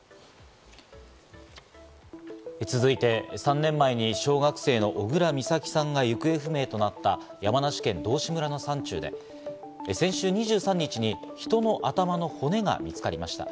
続いて３年前に小学生の小倉美咲さんが行方不明となった山梨県道志村の山中で、先週２３日に人の頭の骨が見つかりました。